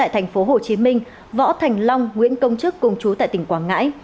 đối tượng gồm phạm tấn huy chú tại tp hcm võ thành long nguyễn công trức cùng chú tại tỉnh quảng ngãi